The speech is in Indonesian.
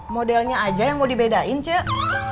modelnya aja yang mau dibedain cek